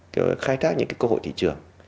để khai thác những cái cơ hội thị trường